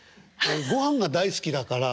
ごはんが大好きだから。